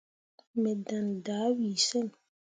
Me ɗaŋne dah wii sen.